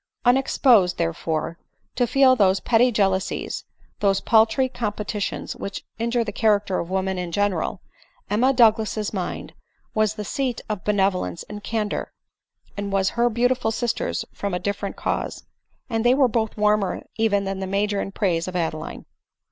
Unexposed, therefore, to feel those petty jealousies, tho^e paltry competitions which injure the character of women in general, Emma Douglas's mind was the seat of benevolence and candor — as was her beautiful sister's from a different cause ; and they were both warmer even than the Major in praise of Ade line.